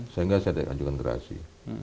sehingga saya ada yang ajukan gerasi